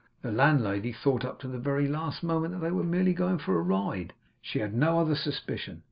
The landlady thought up to the very last moment that they were merely going for a ride; she had no other suspicion.